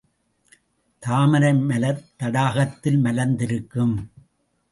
தாமரை மலர் தடாகத்தில் மலர்ந்திருக்கும்.